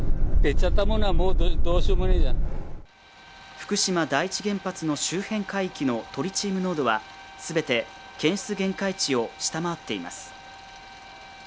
福島第一原発の周辺海域のトリチウム濃度は全て検出限界値を下回っています